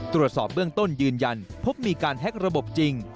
ตรวจสอบเบื้องต้นยืนยันพบมีการแฮ็กระบบจริง